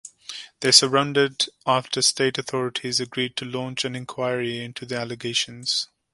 They surrendered after state authorities agreed to launch an inquiry into the allegations.